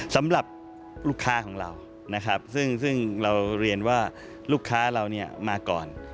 สำหรับลูกค้าของเรานะครับซึ่งเราเรียนว่าลูกค้าเราเนี่ยมาก่อน